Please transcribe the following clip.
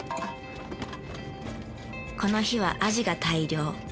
この日はアジが大漁。